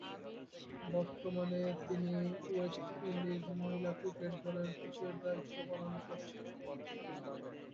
বর্তমানে তিনি West Indies মহিলা ক্রিকেট দলের কোচের দায়িত্ব পালন করছেন।